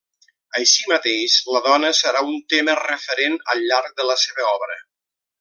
Així mateix, la dona serà un tema referent al llarg de la seva obra.